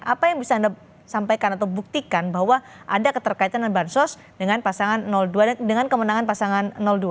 apa yang bisa anda sampaikan atau buktikan bahwa ada keterkaitan dengan bansos dengan pasangan dua dan dengan kemenangan pasangan dua